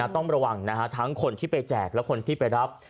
ต้องระวังทั้งคนที่ไปแจกและคนที่ไปรับ